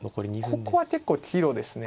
ここは結構岐路ですね。